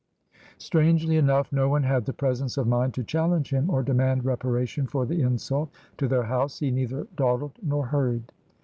Strangely enough, no one had the presence of mind to challenge him or demand reparation for the insult to their house. He neither dawdled nor hurried.